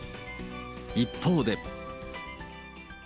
一方で。